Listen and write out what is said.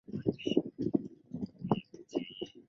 张先松。